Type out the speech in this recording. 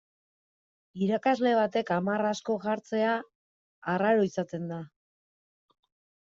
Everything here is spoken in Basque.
Irakasle batek hamar asko jartzea arraro izaten da.